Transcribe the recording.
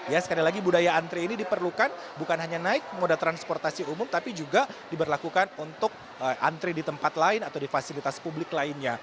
ya sekali lagi budaya antri ini diperlukan bukan hanya naik moda transportasi umum tapi juga diberlakukan untuk antri di tempat lain atau di fasilitas publik lainnya